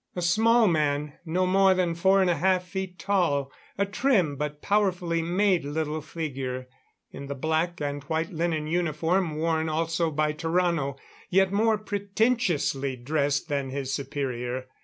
A small man, no more than four and a half feet tall; a trim, but powerfully made little figure, in the black and white linen uniform worn also by Tarrano. Yet more pretentiously dressed than his superior.